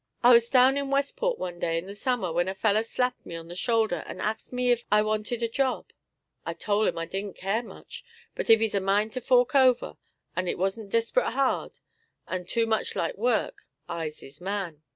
I was down in Westport one day in the summer when a feller slapped me on the shoulder and axed me ef I wanted a job. I tole him I didn't care much, but if he's a mind to fork over, and it wan't desprit hard, and too much like work, I's his man.